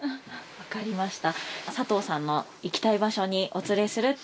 分かりました。